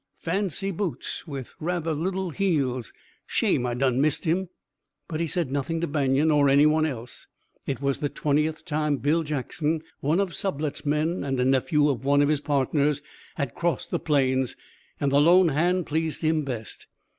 "Fancy boots, with rather little heels. Shame I done missed him!" But he said nothing to Banion or anyone else. It was the twentieth time Bill Jackson, one of Sublette's men and a nephew of one of his partners, had crossed the Plains, and the lone hand pleased him best.